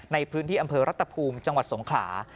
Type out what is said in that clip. ในพื้นที่อำเภอรัตภูมิจังหวัดสงขลา